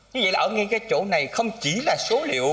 như vậy là ở ngay cái chỗ này không chỉ là số liệu